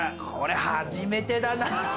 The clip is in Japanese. これ初めてだな